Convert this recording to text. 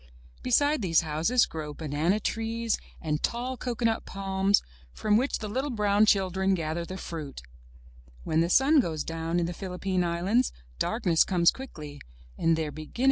Beside these houses grow banana trees, and tall cocoanut palms, from which the little brown children gather the fruit. When the sun goes down in the Philippine Islands, darkness comes quickly, and there begin at once to ♦Adapted from The Ape and the Firefly.